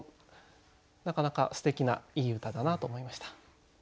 なかなかすてきないい歌だなと思いました。